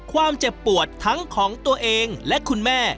ความเจ็บปวดทั้งของตัวเองและคุณแม่